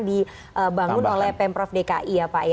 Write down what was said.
dibangun oleh pemprov dki